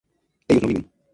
ellos no viven